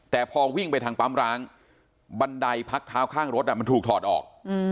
แต่พอวิ่งไปทางปั๊มร้างบันไดพักเท้าข้างรถมันถูกถอดออก